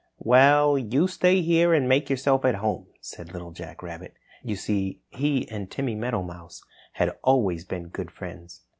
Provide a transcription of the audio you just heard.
"Well, you stay here and make yourself at home," said Little Jack Rabbit. You see, he and Timmy Meadowmouse had always been good friends.